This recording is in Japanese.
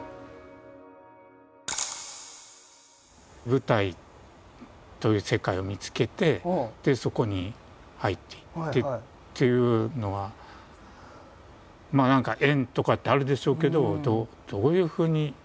舞台という世界を見つけてでそこに入っていってっていうのは何か縁とかってあるでしょうけどどういうふうに。